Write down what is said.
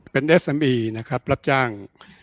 เป็นเดสสามีนะครับรับจ้าง